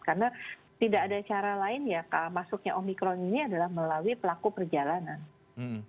karena tidak ada cara lain ya masuknya omikron ini adalah melalui pelaku perjalanan